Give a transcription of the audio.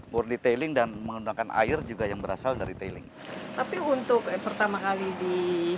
board di tailing dan menggunakan air juga yang berasal dari tailing tapi untuk pertama kali di